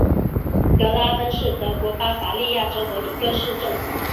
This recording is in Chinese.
格拉芬是德国巴伐利亚州的一个市镇。